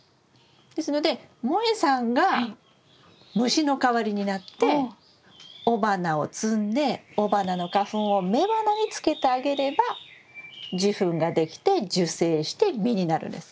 ですのでもえさんが虫の代わりになって雄花を摘んで雄花の花粉を雌花につけてあげれば受粉ができて受精して実になるんです。